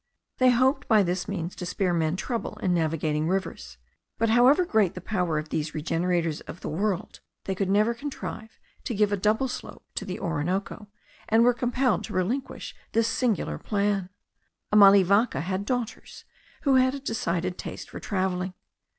They hoped by this means to spare men trouble in navigating rivers; but, however great the power of these regenerators of the world, they could never contrive to give a double slope to the Orinoco, and were compelled to relinquish this singular plan. Amalivaca had daughters, who had a decided taste for travelling.